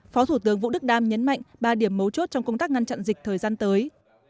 phó thủ tướng vũ đức đam nhấn mạnh ba điểm mấu chốt trong công tác ngăn chặn dịch thời gian tới